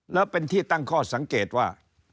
แล้วเป็นที่ตั้งข้อสังเกตว่า